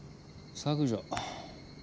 削除。